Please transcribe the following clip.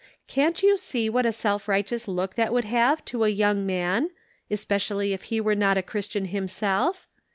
Can't you see what a self righteous look that would have to a young man — especially if he were not a Christian himself.